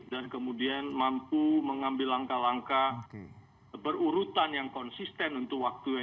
dan kemudian mampu mengambil langkah langkah berurutan yang konsisten untuk waktu yang cukup lama